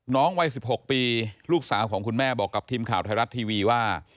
วัย๑๖ปีลูกสาวของคุณแม่บอกกับทีมข่าวไทยรัฐทีวีว่า